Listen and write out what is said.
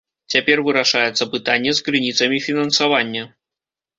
Цяпер вырашаецца пытанне з крыніцамі фінансавання.